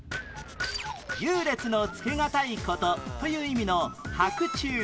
優劣のつけがたい事という意味の「伯仲」